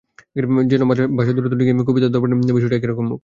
যেন ভাষার দূরত্ব ডিঙিয়ে কবিতার দর্পণে ভেসে ওঠে একই রকম মুখ।